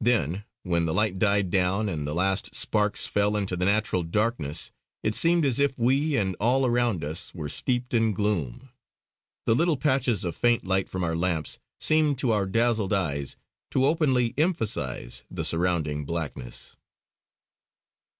Then, when the light died down and the last sparks fell into the natural darkness, it seemed as if we and all around us were steeped in gloom. The little patches of faint light from our lamps seemed to our dazzled eyes to openly emphasise the surrounding blackness.